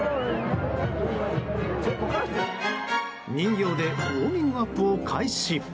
人形でウォーミングアップを開始。